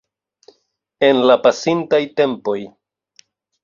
En la pasintaj tempoj.